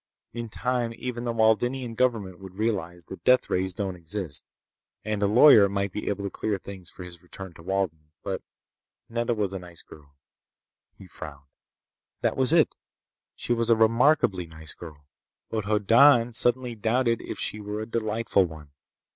In time even the Waldenian government would realize that deathrays don't exist, and a lawyer might be able to clear things for his return to Walden. But—Nedda was a nice girl. He frowned. That was it. She was a remarkably nice girl. But Hoddan suddenly doubted if she were a delightful one.